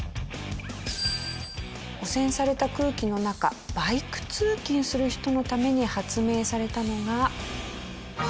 汚染された空気の中バイク通勤する人のために発明されたのが。